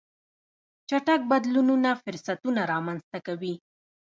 چټک بدلونونه فرصتونه رامنځته کوي.